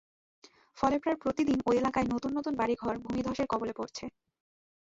ফলে প্রায় প্রতিদিন ওই এলাকায় নতুন নতুন বাড়িঘর ভূমিধসের কবলে পড়ছে।